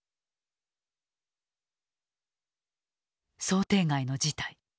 想定外の事態。